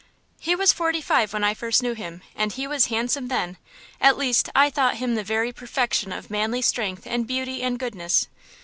"He was forty five when I first knew him, and he was very handsome then. At least, I thought him the very perfection of manly strength and beauty and goodness.